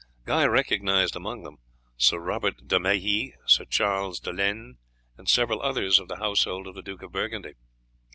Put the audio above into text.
Guy recognized among them Sir Robert de Mailly, Sir Charles de Lens, and several others of the household of the Duke of Burgundy.